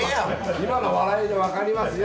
今の笑いで分かりますよ。